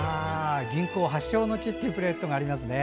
銀行発祥の地っていうプレートがありますね。